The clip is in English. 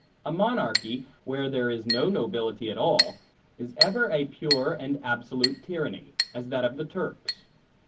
A monarchy, where there is no nobility at all, is ever a pure and absolute tyranny; as that of the Turks.